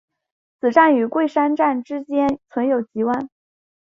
此站与桂山站之间存有急弯。